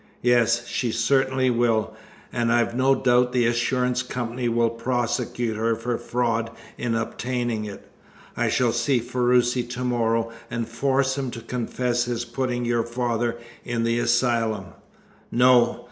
"Yes, she certainly will, and I've no doubt the Assurance Company will prosecute her for fraud in obtaining it. I shall see Ferruci to morrow and force him to confess his putting your father in the asylum." "No!"